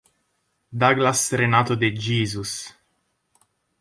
Douglas Renato de Jesus